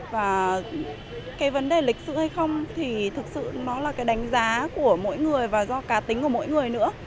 và cái vấn đề lịch sử hay không thì thực sự nó là cái đánh giá của mỗi người và do cá tính của mỗi người nữa